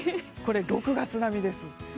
これ、６月並みです。